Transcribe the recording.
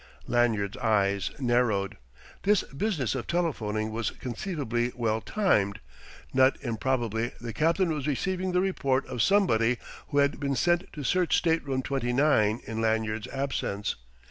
Lanyard's eyes narrowed. This business of telephoning was conceivably well timed; not improbably the captain was receiving the report of somebody who had been sent to search Stateroom 29 in Lanyard's absence.